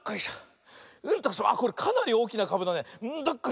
あっこれかなりおおきなかぶだね。